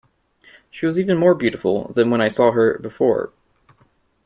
She was even more beautiful than when I saw her, before.